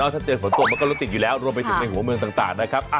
ถ้าเจอฝนตกมันก็รถติดอยู่แล้วรวมไปถึงในหัวเมืองต่างนะครับ